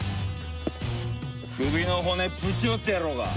首の骨ぶち折ってやろうか？